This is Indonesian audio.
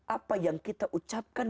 apa yang kita ucapkan